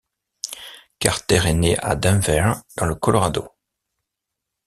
Carter est né à Denver dans le Colorado.